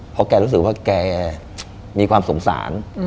เพราะแกรู้สึกว่าแกมีความสงสาร